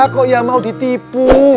kok ya mau ditipu